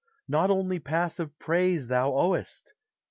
not only passive praise Thou owest!